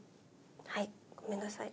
はいごめんなさい。